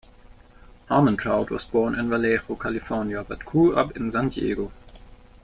Armantrout was born in Vallejo, California, but grew up in San Diego.